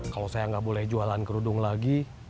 kalau saya nggak boleh jualan kerudung lagi